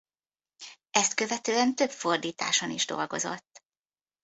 Ezt követően több fordításon is dolgozott.